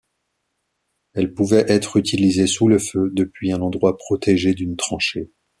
Elle pouvait être utilisée sous le feu, depuis un endroit protégé d'une tranchée.